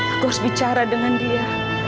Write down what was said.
aku harus bicara dengan dia